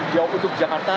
jauh untuk jakarta